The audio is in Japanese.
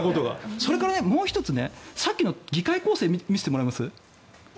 それからもう１つさっきの議会構成見せてもらえます？